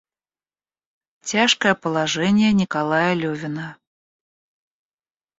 Тяжкое положение Николая Левина.